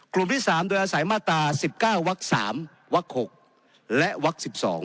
กลุ่มที่๓โดยอาศัยมาตรา๑๙วัก๓วัก๖และวัก๑๒